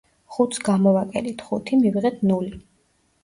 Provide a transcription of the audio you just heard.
ხუთს გამოვაკელით ხუთი, მივიღეთ ნული.